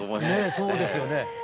ねえそうですよね。